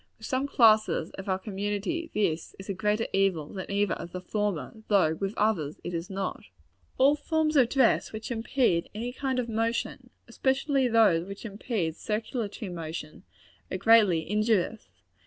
With some classes of our community, this is a greater evil than either of the former; though with others, it is not. All forms of dress which impede any kind of motion, especially those which impede circulatory motion, are greatly injurious.